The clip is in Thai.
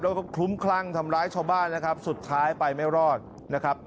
แล้วก็คลุ้มคลั่งทำร้ายชาวบ้านนะครับสุดท้ายไปไม่รอดนะครับ